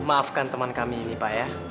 maafkan teman kami ini pak ya